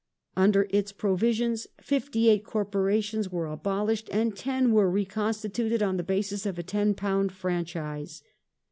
Under its provisions fifty eight corporations were abolished and ten were reconstituted on the basis of a ten pound franchise.